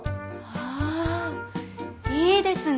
あいいですね！